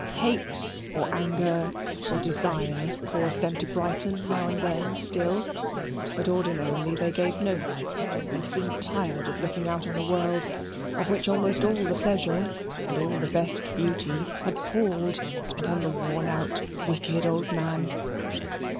Hate, or anger, or desire caused them to brighten now and then still, but ordinarily, they gave no light, and seemed tired of looking out on a world of which almost all the pleasure and all the best beauty had palled upon the worn out wicked old man.